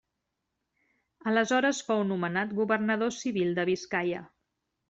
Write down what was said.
Aleshores fou nomenat governador civil de Biscaia.